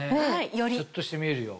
シュっとして見えるよ。